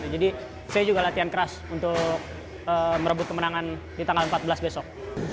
jadi saya juga latihan keras untuk merebut kemenangan di tanggal empat belas besok